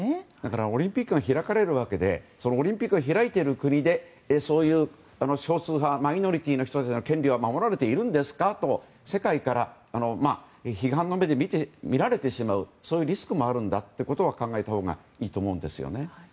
オリンピックが開かれるのでオリンピックを開いている国で少数派、マイノリティーの人の権利が守られているのかと世界から批判の目で見られるそういうリスクもあるんだということは考えたほうがいいと思うんです。